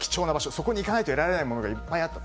そこに行かないと得られないものがあった。